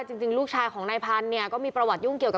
จริงลูกชายของนายพันธุ์เนี่ยก็มีประวัติยุ่งเกี่ยวกับ